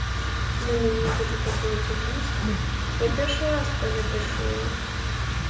Для мяне гэта такое дзікунства, я першы раз пра гэта чула.